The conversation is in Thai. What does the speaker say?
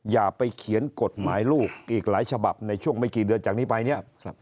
อย่าไปเขียนกฎหมายลูกอีกหลายฉบับในช่วงไม่กี่เดือนจากนี้ไปเนี่ย